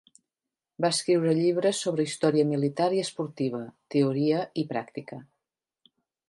Va escriure llibres sobre història militar i esportiva, teoria, i pràctica.